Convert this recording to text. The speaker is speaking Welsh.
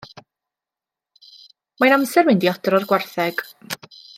Mae'n amser mynd i odro'r gwartheg.